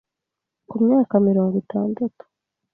Ku myaka mirongo itandatu